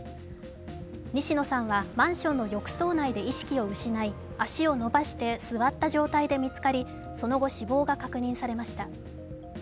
西野さんはマンションの浴槽内で意識を失い、足を伸ばして座った状態で見つかり、その後死亡が確認されました。